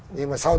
nhưng mà sau đó